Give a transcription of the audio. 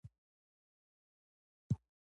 دویم ایوان د روسیې شهزاده له مالیې ورکړې ډډه وکړه.